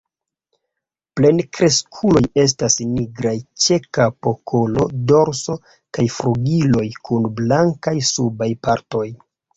Plenkreskuloj estas nigraj ĉe kapo, kolo, dorso kaj flugiloj kun blankaj subaj partoj.